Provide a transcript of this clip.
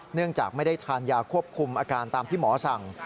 เนื่องจากไม่ได้ทานยาควบคุมอาการตามที่หมอสั่ง